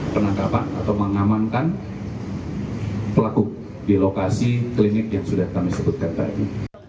penangkapan atau mengamankan pelaku di lokasi klinik yang sudah kami sebutkan tadi